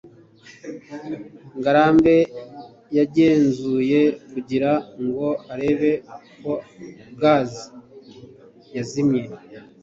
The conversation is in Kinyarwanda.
ngarambe yagenzuye kugira ngo arebe ko gaze yazimye